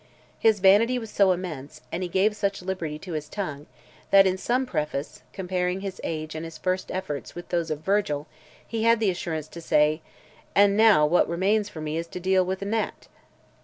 His vanity was so immense, and he gave such liberty to his tongue, that in some preface, comparing his age and his first efforts with those of Virgil, he had the assurance to say: "And what now remains for me is to deal with a gnat."